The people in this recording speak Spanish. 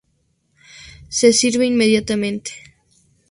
Se sirve inmediatamente.